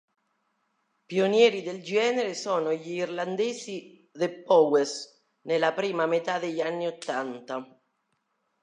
Pionieri del genere sono gli irlandesi The Pogues, nella prima metà degli anni ottanta.